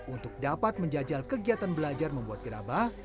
untuk dapat menjajal kegiatan belajar membuat gerabah